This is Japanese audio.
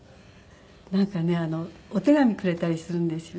なんかねお手紙くれたりするんですよ。